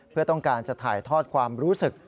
เพื่อต้องการจะถ่ายทอดความรู้สึก